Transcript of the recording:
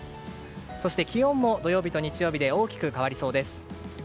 そして気温も土曜日と日曜日で大きく変わりそうです。